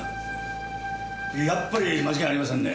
やっぱり間違いありませんね。